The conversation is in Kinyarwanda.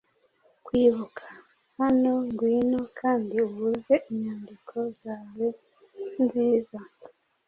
Kwibuka, hano ngwino, Kandi uhuze inyandiko zawe nziza;